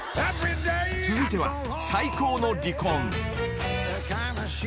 ［続いては『最高の離婚』］